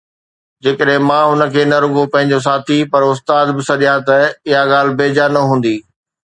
جيڪڏهن مان هن کي نه رڳو پنهنجو ساٿي پر استاد به سڏيان ته اها ڳالهه بيجا نه هوندي